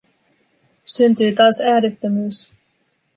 Syntyi taas äänettömyys.